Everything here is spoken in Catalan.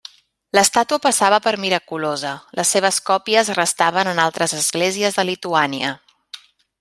L'estàtua passava per miraculosa, les seves còpies restaven en altres esglésies de Lituània.